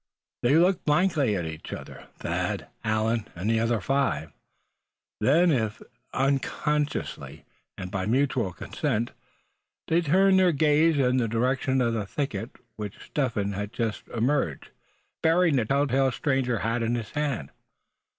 They looked blankly at each other, Thad, Allan and the other five. Then, as if unconsciously, and by mutual consent, they turned their gaze in the direction of the thicket from which Step Hen had just emerged, bearing the tell tale stranger hat in his hand.